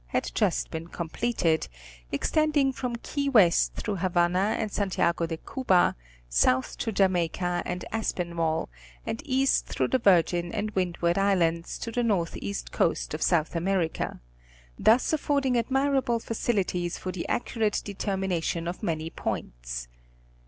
had just been completed, extending from Key West through Havana and Santiago de Cuba, south to Jamaica and Aspinwall, and east through the Virgin and Windward Islands to the northeast coast of South America, thus affording admirable facilities for the accu rate determination of many points.